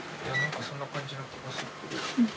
そんな感じの気がする。